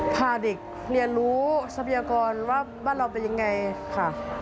พาเด็กเรียนรู้ทรัพยากรว่าบ้านเราเป็นยังไงค่ะ